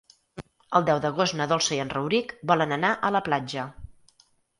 El deu d'agost na Dolça i en Rauric volen anar a la platja.